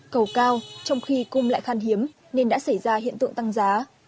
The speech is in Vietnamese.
cầu cao trong khi cung lại khăn hiếm nên đã xảy ra hiện tượng tăng giá